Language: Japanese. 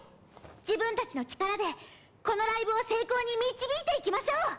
自分たちの力でこのライブを成功に導いていきましょう！